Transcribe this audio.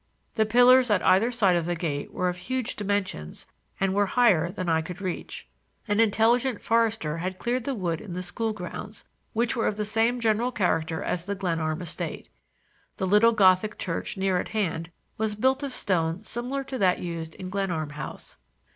The pillars at either side of the gate were of huge dimensions and were higher than I could reach. An intelligent forester had cleared the wood in the school grounds, which were of the same general character as the Glenarm estate. The little Gothic church near at hand was built of stone similar to that used in Glenarm House.